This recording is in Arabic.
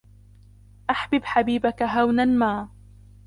أَحْبِبْ حَبِيبَك هَوْنًا مَا